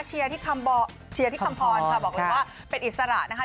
ที่เชียร์ที่คำพรค่ะบอกเลยว่าเป็นอิสระนะคะ